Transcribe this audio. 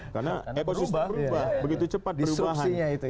karena ekosistem berubah begitu cepat perubahan